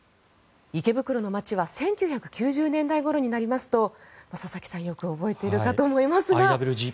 池袋の街は１９９０年代ごろになりますと佐々木さん、よく覚えているかと思いますが。